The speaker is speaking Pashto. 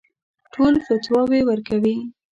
ټول فتواوې ورکوي.